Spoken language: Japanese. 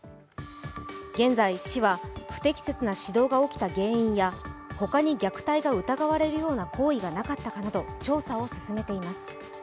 現在、市は不適切な指導が起きた原因や、ほかに虐待が疑われるような行為がなかったかなど調査を進めています。